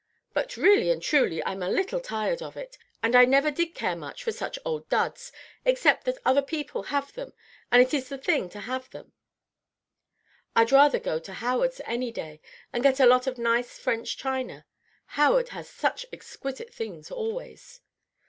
But, really and truly, I'm a little tired of it; and I never did care much for such old duds, except that other people have them and it is the thing to have them. I'd rather go to Howard's any day, and get a lot of nice French china. Howard has such exquisite things always."